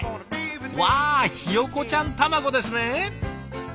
わあひよこちゃん卵ですね！